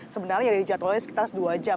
sebenarnya ya dijatuhkan sekitar dua jam